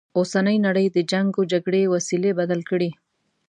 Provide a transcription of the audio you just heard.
اوسنۍ نړی د جنګ و جګړې وسیلې بدل کړي.